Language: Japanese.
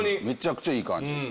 めちゃくちゃいい感じ。